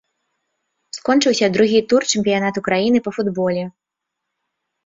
Скончыўся другі тур чэмпіянату краіны па футболе.